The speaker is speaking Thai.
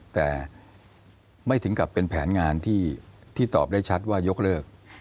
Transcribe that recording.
แต่ไม่ถึงกับเป็นแผนงานที่ตอบได้ชัดว่ายกเลิก